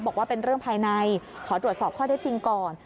บอกว่าเป็นเรื่องภายในขอตรวจสอบข้อได้จริงก่อน